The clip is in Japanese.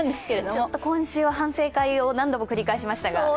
ちょっと今週は反省会を何度も繰り返しましたが。